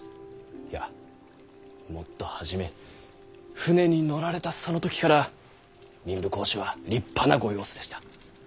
いやもっと初め船に乗られたその時から民部公子は立派なご様子でした。